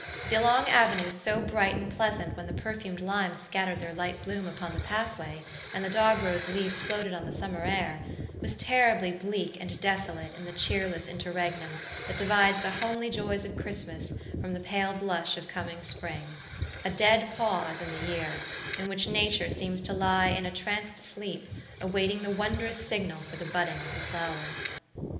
The long avenue so bright and pleasant when the perfumed limes scattered their light bloom upon the pathway, and the dog rose leaves floated on the summer air, was terribly bleak and desolate in the cheerless interregnum that divides the homely joys of Christmas from the pale blush of coming springa dead pause in the year, in which Nature seems to lie in a tranced sleep, awaiting the wondrous signal for the budding of the flower.